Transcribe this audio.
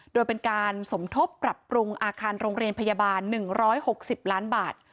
โดยเป็นการสมทบปรับปรุงอาคารโรงเรียนพยาบาล๑๖๐ล้านบาท